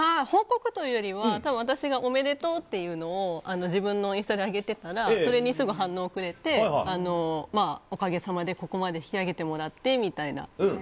報告というよりは、たぶん、私がおめでとうっていうのを自分のインスタに上げてたら、それにすぐ反応くれて、おかげさまでここまで引き上げてもらってみたいな。